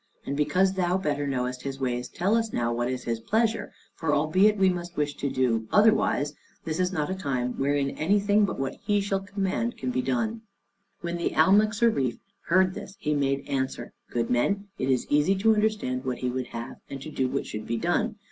And because thou better knowest his ways, tell us now what is his pleasure, for albeit we might wish to do otherwise, this is not a time wherein anything but what he shall command can be done." When the Almoxarife heard this he made answer, "Good men, it is easy to understand what he would have, and to do what should be done.